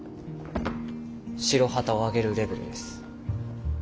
白旗をあげるレベルです。